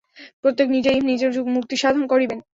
প্রত্যেকে নিজেই নিজের মুক্তিসাধন করিবে।